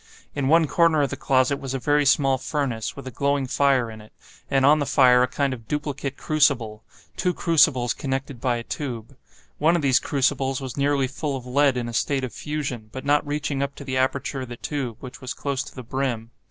In one corner of the closet was a very small furnace, with a glowing fire in it, and on the fire a kind of duplicate crucible—two crucibles connected by a tube. One of these crucibles was nearly full of lead in a state of fusion, but not reaching up to the aperture of the tube, which was close to the brim.